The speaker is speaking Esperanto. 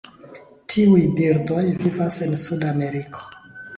Tiuj birdoj vivas en Sudameriko.